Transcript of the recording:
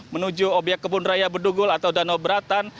menuju obyek kebun raya bedugul atau danau beratan